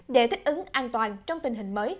để thích ứng an toàn trong tình hình mới